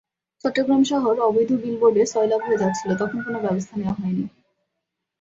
চট্টগ্রাম শহর অবৈধ বিলবোর্ডে সয়লাব হয়ে যাচ্ছিল তখন কোনো ব্যবস্থা নেওয়া হয়নি।